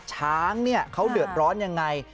ช้างเขาเดือดร้อนยังไง